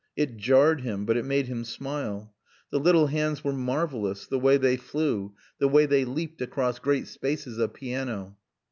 It jarred him; but it made him smile. The little hands were marvelous the way they flew, the way they leaped across great spaces of piano.